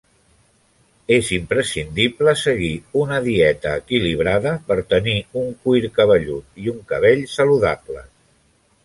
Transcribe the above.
És imprescindible seguir una dieta equilibrada per tenir un cuir cabellut i un cabell saludables.